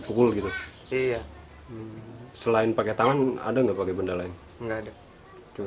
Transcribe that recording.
kalau yang di dalam saya usul kedengeran doang kalau di luar maka anak